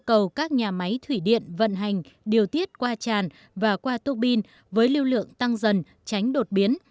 cầu các nhà máy thủy điện vận hành điều tiết qua tràn và qua tuốc bin với lưu lượng tăng dần tránh đột biến